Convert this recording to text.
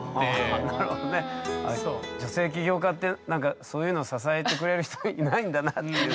女性起業家ってなんかそういうの支えてくれる人いないんだなっていう。